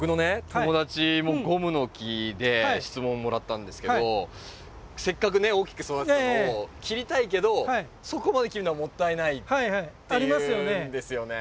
友達もゴムノキで質問もらったんですけどせっかくね大きく育てたのを切りたいけどそこまで切るのはもったいないって言うんですよね。